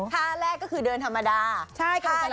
ท่าแรกก็คือเดินธรรมดา